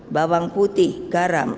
bawang putih garam